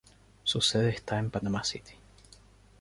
Su sede está en Panama City.